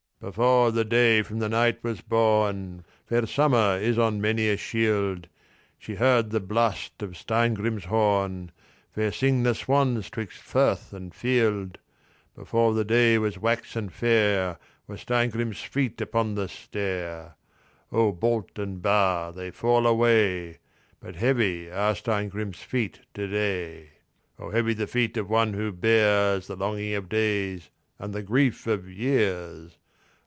_ Before the day from the night was born, Fair summer is on many a shield. She heard the blast of Steingrim's horn, Fair sing the swans 'twixt firth and field. Before the day was waxen fair Were Steingrim's feet upon the stair. "O bolt and bar they fall away, But heavy are Steingrim's feet to day." "O heavy the feet of one who bears The longing of days and the grief of years!